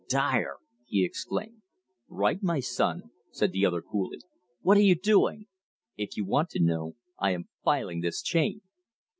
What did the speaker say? "Dyer!" he exclaimed "Right, my son," said the other coolly. "What are you doing?" "If you want to know, I am filing this chain."